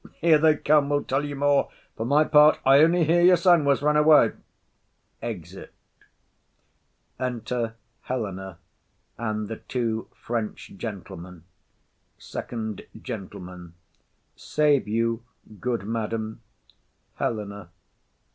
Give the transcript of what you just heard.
Here they come will tell you more. For my part, I only hear your son was run away. [Exit.] Enter Helena and the two Gentlemen. FIRST GENTLEMAN. Save you, good madam. HELENA.